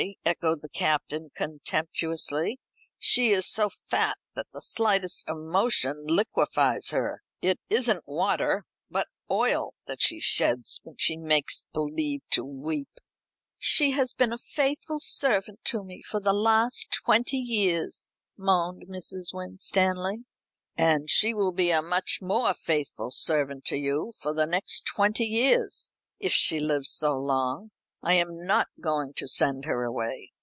echoed the Captain contemptuously. "She is so fat that the slightest emotion liquefies her. It isn't water, but oil that she sheds when she makes believe to weep." "She has been a faithful servant to me for the last twenty years," moaned Mrs. Winstanley. "And she will be a much more faithful servant to you for the next twenty years, if she lives so long. I am not going to send her away.